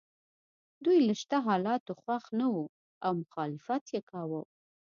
دوی له شته حالاتو خوښ نه وو او مخالفت یې کاوه.